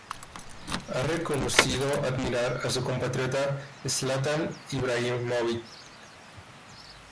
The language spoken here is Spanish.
Ha reconocido admirar a su compatriota Zlatan Ibrahimović.